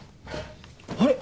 あれ！？